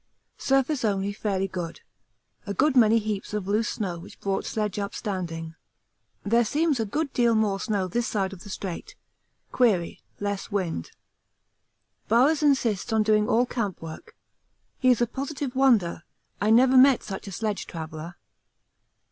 Surface only fairly good; a good many heaps of loose snow which brought sledge up standing. There seems a good deal more snow this side of the Strait; query, less wind. Bowers insists on doing all camp work; he is a positive wonder. I never met such a sledge traveller.